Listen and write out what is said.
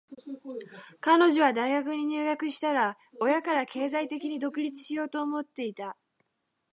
彼女は大学に入学したら、親から経済的に独立しようと思っていた。